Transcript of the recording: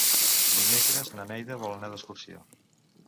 Dimecres na Neida vol anar d'excursió.